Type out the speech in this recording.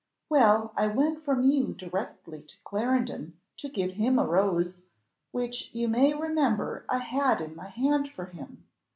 "Well, I went from you directly to Clarendon, to give him a rose, which you may remember I had in my hand for him.